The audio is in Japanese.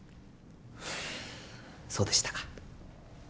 そうでしたか。